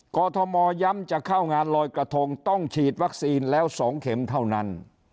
กรทมย้ำจะเข้างานลอยกระทงต้องฉีดวัคซีนแล้ว๒เข็มเท่านั้น